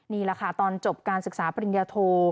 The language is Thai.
นี่แหละค่ะตอนจบการศึกษาปริญญาโท